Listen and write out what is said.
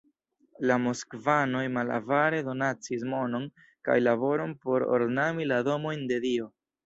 La moskvanoj malavare donacis monon kaj laboron por ornami la domojn de Dio.